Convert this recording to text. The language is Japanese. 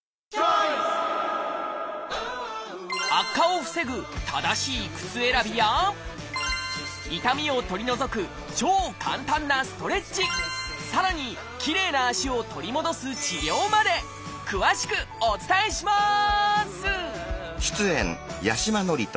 悪化を防ぐ正しい靴選びや痛みを取り除く超簡単なストレッチさらにきれいな足を取り戻す治療まで詳しくお伝えします！